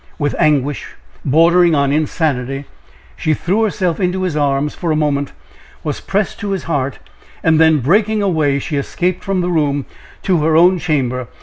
With anguish bordering on insanity, she threw herself into his arms for a moment was pressed to his heart, and then breaking away, she escaped from the room to her own chamber.